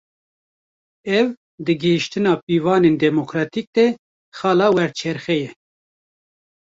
Ev, di gihîştina pîvanên demokratîk de, xala werçerxê ye